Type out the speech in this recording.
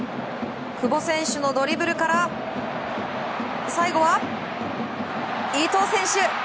久保選手のドリブルから最後は伊東選手！